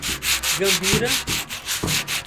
Cambira